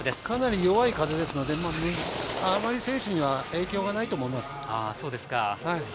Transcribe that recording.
かなり弱い風ですのであまり選手には影響がないと思います。